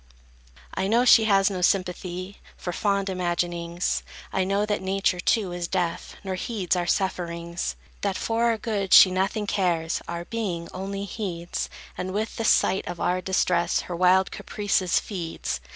I know she has no sympathy For fond imaginings; I know that Nature, too, is deaf, Nor heeds our sufferings; That for our good she nothing cares, Our being, only heeds; And with the sight of our distress Her wild caprices feeds.